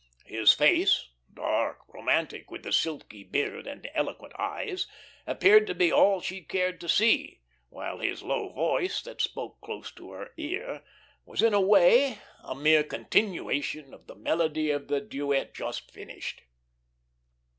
His face, dark, romantic, with the silky beard and eloquent eyes, appeared to be all she cared to see, while his low voice, that spoke close to her ear, was in a way a mere continuation of the melody of the duet just finished.